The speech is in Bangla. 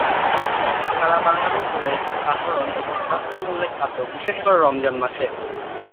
এটি সারা বাংলাদেশ জুড়ে একটি সাধারণ এবং সাশ্রয়ী মূল্যের খাদ্য, বিশেষ করে রমজান মাসে।